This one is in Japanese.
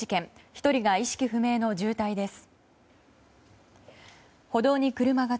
１人が意識不明の重体です。